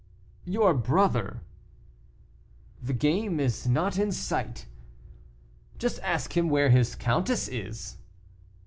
"Your brother." "The game is not in sight." "Just ask him where his countess is."